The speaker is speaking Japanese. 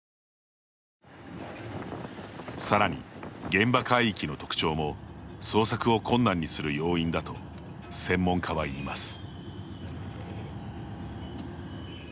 さらに、現場海域の特徴も捜索を困難にする要因だと専門家は言います。